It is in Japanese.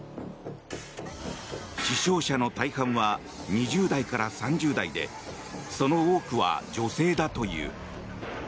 死傷者の大半は２０代から３０代でその多くは女性だという。